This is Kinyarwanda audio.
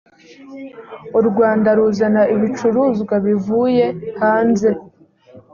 u rwanda ruzana ibicuruzwa bivuye hanze.